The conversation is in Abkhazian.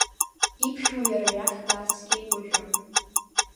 Иԥшәма иара иахь дааскьеит уажәы.